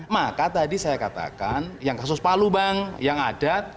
maka tadi saya katakan yang kasus palu bang yang ada